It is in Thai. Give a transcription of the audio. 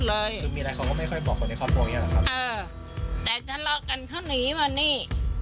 เออแต่ฉะนั้นเรากันเขาหนีมานี่